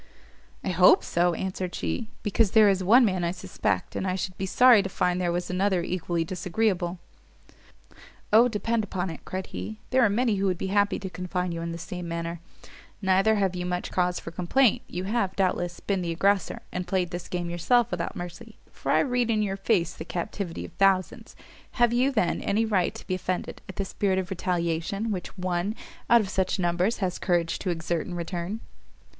"I hope so," answered she, "because there is one man I suspect, and I should be sorry to find there was another equally disagreeable." "O, depend upon it," cried he, "there are many who would be happy to confine you in the same manner; neither have you much cause for complaint; you have, doubtless, been the aggressor, and played this game yourself without mercy, for I read in your face the captivity of thousands: have you, then, any right to be offended at the spirit of retaliation which one, out of such numbers has courage to exert in return?"